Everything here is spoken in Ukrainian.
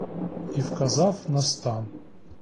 І вказав на стан.